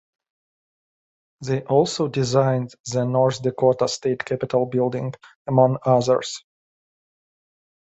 They also designed the North Dakota State Capitol building, among others.